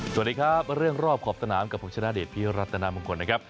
สวัสดีครับเรื่องรอบขอบสนามกับผมชนะเดชพิรัตนามงคลนะครับ